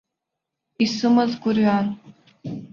Исымаз гәырҩан.